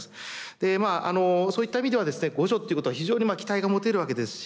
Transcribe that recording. でまあそういった意味ではですね互助っていうことは非常に期待が持てるわけですし。